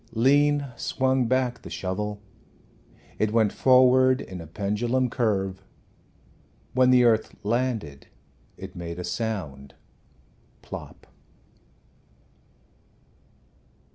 Lean swung back the shovel. It went forward in a pendulum curve. When the earth landed it made a sound plop!